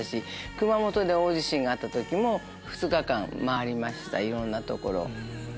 熊本で大地震があった時も２日間回りましたいろんな所を。